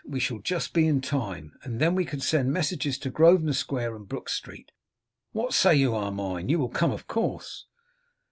We shall just be in time, and then we can send messages to Grosvenor square and Brook street. What say you, Armine? You will come, of course?